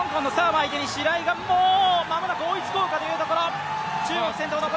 白井がもう間もなく追いつこうかというところ。